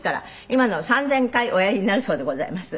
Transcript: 今のを３０００回おやりになるそうでございます。